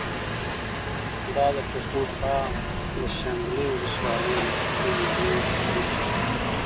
دا د پښتونخوا د شانګلې ولسوالۍ د يوې مور خبرې دي